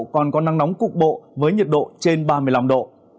còn có nắng nóng cục bộ với nhiệt độ trên ba mươi năm độ